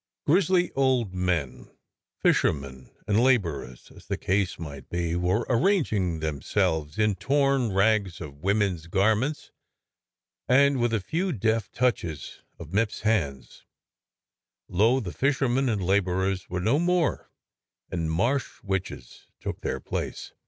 Grizzly old men, fishermen, and labourers, as the case might be, were arranging themselves in torn rags of women's garments, and with a few deft touches of Mipps's hands, lo I the fishermen and labourers were no more, and Marsh witches took their place.